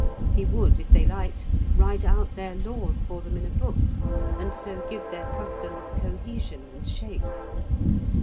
He would, if they liked, write out their laws for them in a book, and so give their customs cohesion and shape.